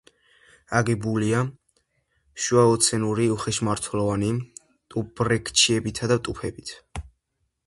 აგებულია შუაეოცენური უხეშმარცვლოვანი ტუფ-ბრექჩიებითა და ტუფებით.